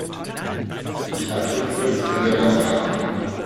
Ich antworte kurz Herrn De Rossa.